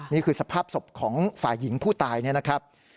นี่คือสภาพศพของฝ่ายหญิงผู้ตายเนี่ยนะครับ